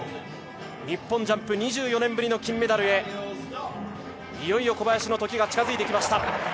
日本ジャンプ２４年ぶりの金メダルへ、いよいよ小林の時が近づいてきました。